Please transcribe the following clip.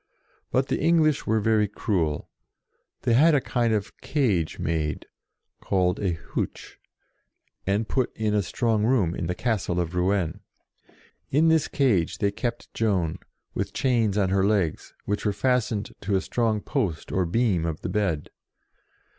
But the English were very cruel. They had a kind of cage made, called a huche, and put in a strong room in the Castle of Rouen. In this cage they kept Joan, with chains on her legs, which were fastened to a strong post or beam of the bed.